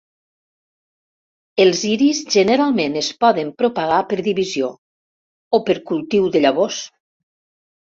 Els iris generalment es poden propagar per divisió, o per cultiu de llavors.